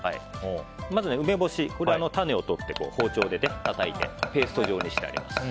まず梅干しこれ種を取って包丁でたたいてペースト状にしてあります。